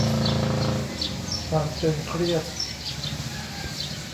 ความตึงเครียด